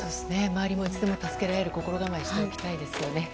周りもいつでも助けられる心構えしておきたいですね。